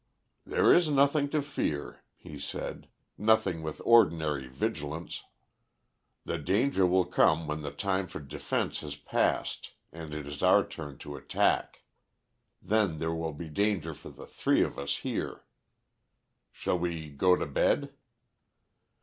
"There is nothing to fear," he said, "nothing with ordinary vigilance. The danger will come when the time for defence has passed and it is our turn to attack. Then there will be danger for the three of us here. Shall we go to bed?"